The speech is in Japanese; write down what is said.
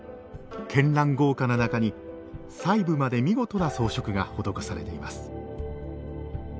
絢爛豪華な中に細部まで見事な装飾が施されています